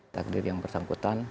takdir yang bersangkutan